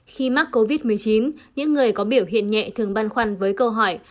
khi mắc covid một mươi chín những người có biểu hiện nhẹ thường băn khoăn với câu hỏi